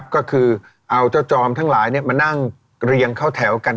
ก็คือเอาเจ้าจอมทั้งหลายมานั่งเรียงเข้าแถวกัน